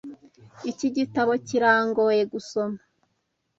Iki gitabo kirangoye gusoma.